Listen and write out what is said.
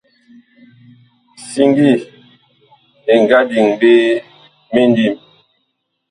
Siŋgi ɛ nga diŋ ɓe mindim.